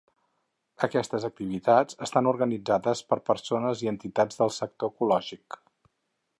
Aquestes activitats estan organitzades per persones i entitats del sector ecològic.